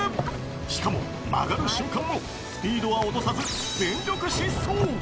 しかも、曲がる瞬間もスピードは落とさず、全力疾走。